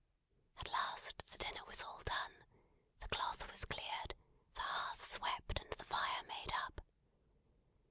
At last the dinner was all done, the cloth was cleared, the hearth swept, and the fire made up.